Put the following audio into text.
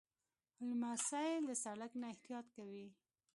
لمسی له سړک نه احتیاط کوي.